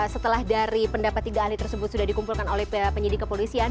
setelah dari pendapat tiga ahli tersebut sudah dikumpulkan oleh penyidik kepolisian